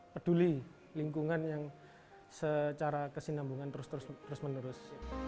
peduli lingkungan yang secara kesinambungan terus terus menerus